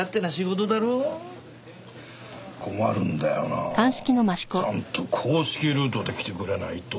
困るんだよなちゃんと公式ルートで来てくれないと。